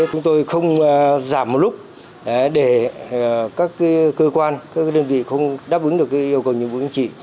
chúng tôi không giảm một lúc để các cơ quan các đơn vị không đáp ứng được yêu cầu nhận bố trí